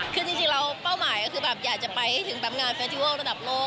คือจริงเราเป้าหมายก็คือแบบอยากจะไปให้ถึงแบบงานเฟสติวัลระดับโลก